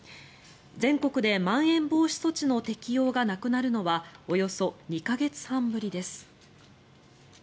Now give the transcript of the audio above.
全国でまん延防止措置の適用がなくなるのはおよそ２か月半ぶりです。